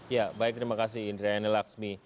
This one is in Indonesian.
ya baik terima kasih indrayani laksmi